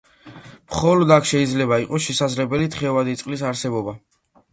მხოლოდ აქ შეიძლება იყოს შესაძლებელი თხევადი წყლის არსებობა.